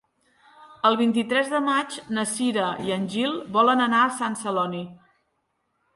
El vint-i-tres de maig na Cira i en Gil volen anar a Sant Celoni.